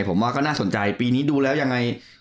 ผมว่าก็น่าสนใจปีนี้ดูแล้วยังไง